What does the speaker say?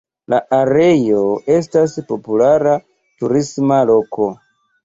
La areo estas populara turisma loko.